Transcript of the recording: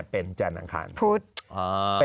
เป็นจานขาดพุทธ